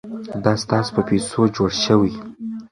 دا ستاسو په پیسو جوړ شوي.